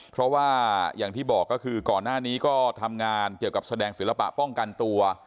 เพราะว่าอย่างที่บอกก็คือก่อนหน้านี้ก็ทำงานเกี่ยวกับแสดงศิลปะป้องกันตัว